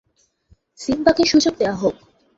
সিম্বাকে সুযোগ দেওয়া হোক!